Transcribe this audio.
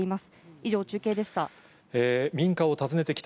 以上、中継でした。